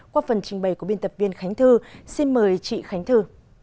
qua phần trình bày của biên tập viên khánh thư xin mời chị khánh thư